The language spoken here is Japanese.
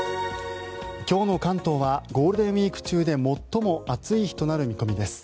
今日の関東はゴールデンウィーク中で最も暑い日となる見込みです。